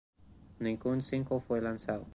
Ningún single fue lanzado.